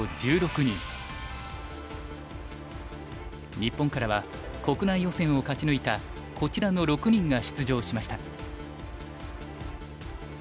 日本からは国内予選を勝ち抜いたこちらの６人が出場しました。